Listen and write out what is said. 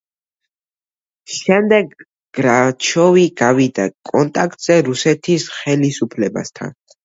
შემდეგ, გრაჩოვი გავიდა კონტაქტზე რუსეთის ხელისუფლებასთან.